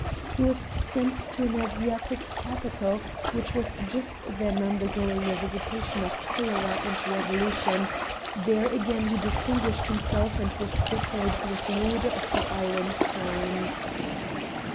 He was sent to an Asiatic capital which was just then undergoing a visitation of cholera and revolution; there again he distinguished himself and was decorated with the order of the Iron Crown.